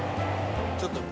ちょっと。